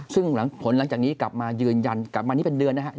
ซึ่งผลหลังจากนี้กลับมายืนยันกลับมานี่เป็นเดือนนะครับ